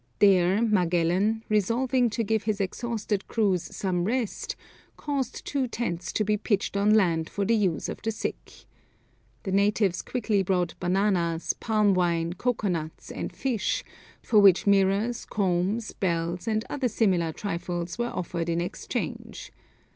There Magellan, resolving to give his exhausted crews some rest, caused two tents to be pitched on land for the use of the sick. The natives quickly brought bananas, palm wine, cocoa nuts, and fish; for which mirrors, combs, bells, and other similar trifles were offered in exchange.